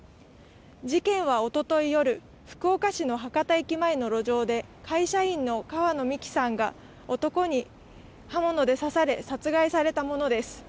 事件はおととい夜、福岡市の博多駅前の路上で会社員の川野美樹さんが男に刃物で刺され、殺害されたものです。